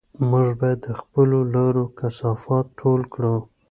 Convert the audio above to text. موږ باید د خپلو لارو کثافات ټول کړو.